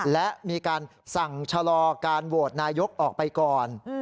และมีการสั่งชะลอการโหวตนายกออกไปก่อน